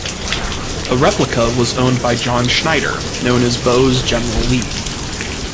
A replica was owned by John Schneider, known as Bo's General Lee.